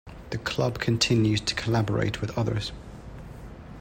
The club continues to collaborate with others.